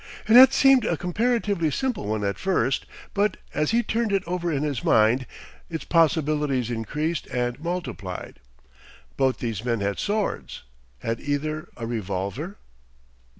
It had seemed a comparatively simple one at first, but as he turned it over in his mind its possibilities increased and multiplied. Both these men had swords, had either a revolver?